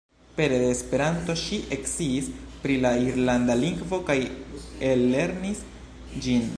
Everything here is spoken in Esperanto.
Pere de Esperanto ŝi eksciis pri la irlanda lingvo kaj ellernis ĝin.